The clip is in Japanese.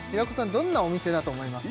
どんなお店だと思います？